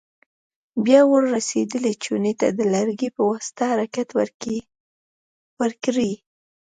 بیا ور رسېدلې چونې ته د لرګي په واسطه حرکت ورکړئ.